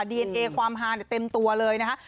ดีเอนเอความฮาเต็มตัวเลยนะคะ